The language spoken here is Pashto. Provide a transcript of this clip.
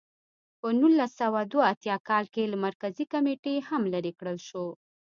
په نولس سوه دوه اتیا کال کې له مرکزي کمېټې هم لرې کړل شو.